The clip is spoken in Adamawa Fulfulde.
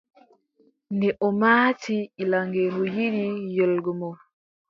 Nde o maati gilaŋeeru yiɗi yoolgomo,